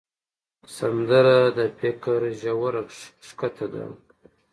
سندره د فکر ژوره ښکته ده